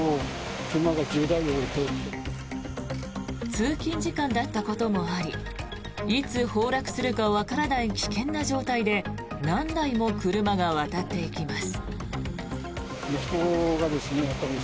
通勤時間だったこともありいつ崩落するかわからない危険な状態で何台も車が渡っていきます。